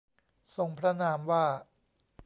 ทรงพระนามว่า